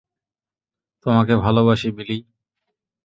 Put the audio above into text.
তোমাকে ভালোবাসি, বিলি!